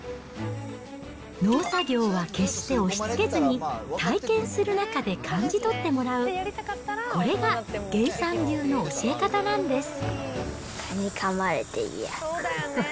農作業は決して押しつけずに、体験する中で感じ取ってもらう、これがげんさん流の教え方なんです。